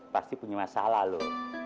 pasti punya masalah lo